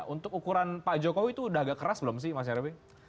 untuk ukuran pak jokowi itu udah agak keras belum sih mas nyarwi